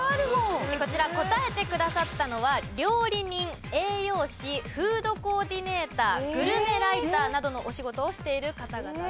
こちら答えてくださったのは料理人栄養士フードコーディネーターグルメライターなどのお仕事をしている方々です。